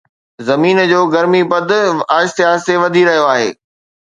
زمين جو گرمي پد آهستي آهستي وڌي رهيو آهي